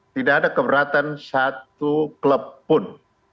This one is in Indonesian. tidak ada keberatan satu klub pun